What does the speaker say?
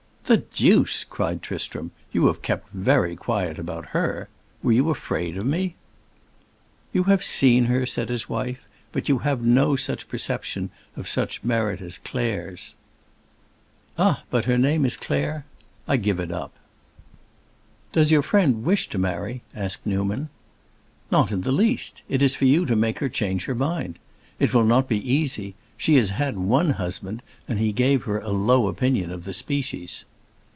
"The deuce!" cried Tristram, "you have kept very quiet about her. Were you afraid of me?" "You have seen her," said his wife, "but you have no perception of such merit as Claire's." "Ah, her name is Claire? I give it up." "Does your friend wish to marry?" asked Newman. "Not in the least. It is for you to make her change her mind. It will not be easy; she has had one husband, and he gave her a low opinion of the species."